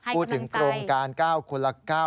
พูดถึงโครงการ๙คนละ๙